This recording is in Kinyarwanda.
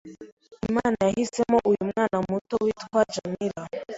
Imana yahisemo uyu mwana muto witwa Djamila